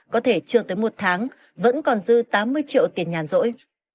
có thể chưa tới một tháng vẫn còn dư tám mươi triệu tiền nhàn rỗi